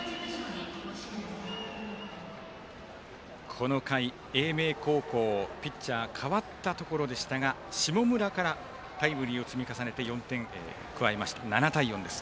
この回、英明高校ピッチャー代わったところでしたが下村からタイムリーを積み重ねて４点加えました、７対４。